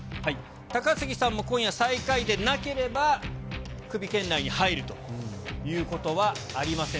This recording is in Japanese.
高杉さんも今夜、最下位でなければ、クビ圏内に入るということはありません。